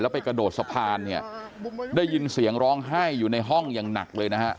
ไปกระโดดสะพานเนี่ยได้ยินเสียงร้องไห้อยู่ในห้องอย่างหนักเลยนะฮะ